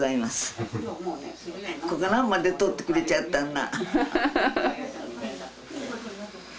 フフフこがなんまで撮ってくれちゃったんな